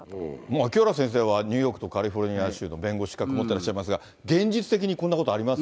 清原先生はニューヨーク州とカリフォルニア州の弁護士資格持ってらっしゃいますが、現実的にこんなことあります？